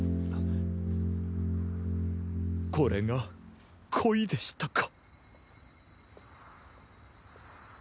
これが恋でしたか。